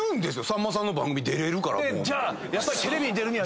「さんまさんの番組出れるから」